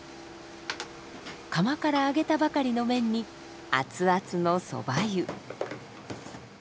釜からあげたばかりの麺に熱々のそば湯。